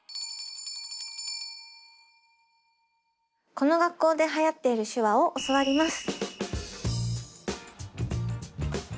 この学校で流行っている手話を教わります。